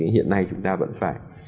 hiện nay chúng ta vẫn phải